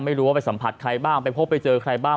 ไม่รู้ว่าไปสัมผัสใครบ้างไปพบไปเจอใครบ้าง